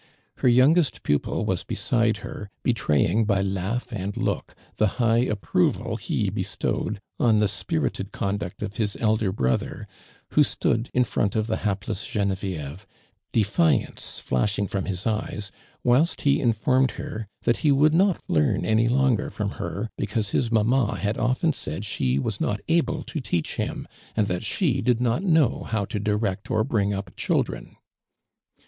Her youngest pupil was beside her, betraying by laugh and look the high approval he bestowed on the spiiit ed conduct of his elder brother, who stood in front of the hapless Genevieve, defiance Hashing from his eyes, whilst he informed lier '< that he woald not learn any longer from her, because his mamma had often said f\\o was not able to teach him, and that she did not know how to direct or bring up child ren."